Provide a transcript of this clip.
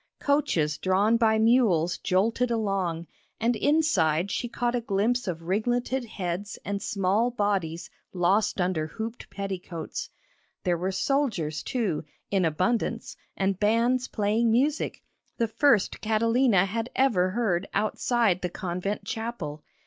Coaches drawn by mules jolted along and inside she caught a glimpse of ringleted heads and small bodies lost under hooped petticoats. There were soldiers, too, in abundance and bands playing music the first Catalina had ever heard outside the convent chapel.